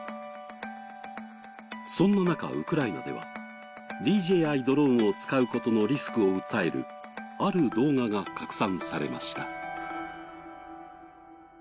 そんな中、ウクライナではＤＪⅠドローンを使うことのリスクを訴えるある動画が拡散されました。